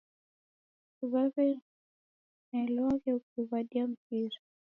Waw'oneloghe ukiw'adia mpira.